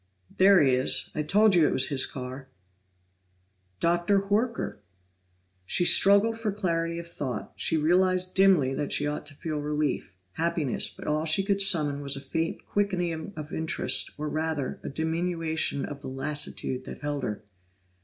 "There he is! I told you it was his car." Dr. Horker! She struggled for clarity of thought; she realized dimly that she ought to feel relief, happiness but all she could summon was a faint quickening of interest, or rather, a diminution of the lassitude that held her.